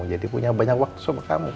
jadi punya banyak waktu sama kamu kan